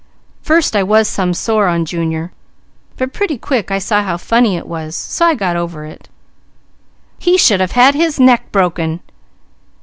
First I was some sore on Junior; but pretty quick I saw how funny it was, so I got over it " "He should have had his neck broken!"